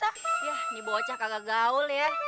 yah nih bocah kagak gaul ya